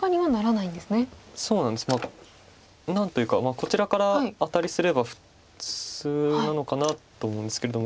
こちらからアタリすれば普通なのかなと思うんですけれども。